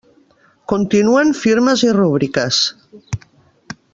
Continuen firmes i rúbriques.